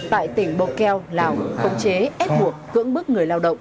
tại tỉnh bồ kèo lào công chế ép buộc cưỡng bức người lao động